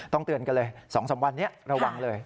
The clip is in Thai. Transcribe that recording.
เตือนกันเลย๒๓วันนี้ระวังเลย